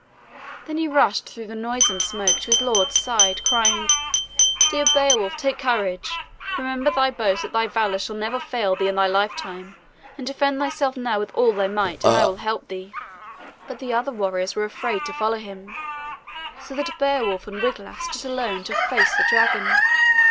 Then he rushed through the noisome smoke to his lord's side, crying: "Dear Beowulf, take courage. Remember thy boast that thy valor shall never fail thee in thy lifetime, and defend thyself now with all thy might, and I will help thee." But the other warriors were afraid to follow him, so that Beowulf and Wiglaf stood alone to face the dragon.